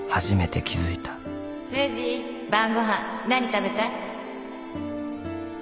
誠治晩ご飯何食べたい？